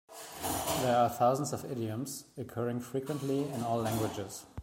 There are thousands of idioms, occurring frequently in all languages.